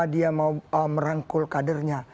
dia mau merangkul kadernya